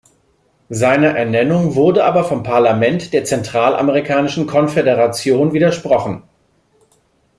Seiner Ernennung wurde aber vom Parlament der Zentralamerikanischen Konföderation widersprochen.